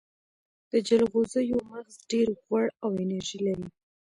د جلغوزیو مغز ډیر غوړ او انرژي لري.